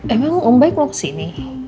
emang om baik loh kesini